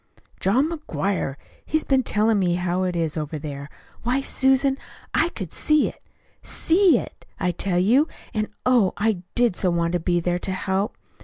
"John McGuire. He's been telling me how it is over there. Why, Susan, I could see it SEE it, I tell you, and, oh, I did so want to be there to help.